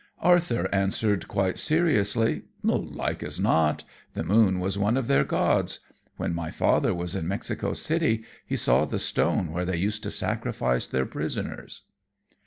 Arthur answered, quite seriously: "Like as not. The moon was one of their gods. When my father was in Mexico City he saw the stone where they used to sacrifice their prisoners."